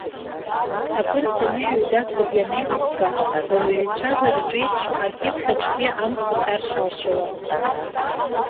Акыр саныҩеидасоуп ианеилыскаа, ауаҩы ицәажәараҿ еиԥш, акьыԥхь аҿгьы амц иҳәар шалшауа.